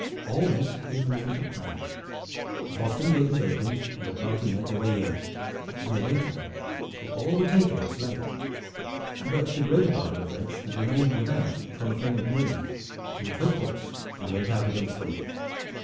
All went even as we had planned. The postern gate was opened, and a party made their way in; but we awaited them, and all were taken or slain. But the greater part of the French had remained without upon the plain of Nieullet, so we took horse and went out against them.